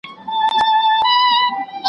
مساپري بده بلا ده.